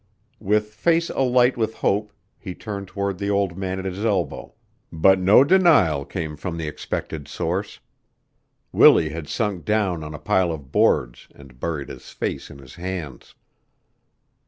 With face alight with hope he turned toward the old man at his elbow; but no denial came from the expected source. Willie had sunk down on a pile of boards and buried his face in his hands.